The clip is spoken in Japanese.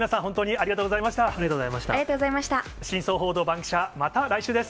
ありがとうございます。